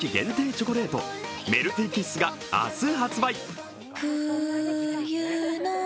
チョコレートメルティーキッスが明日発売。